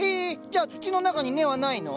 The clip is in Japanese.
じゃあ土の中に根はないの？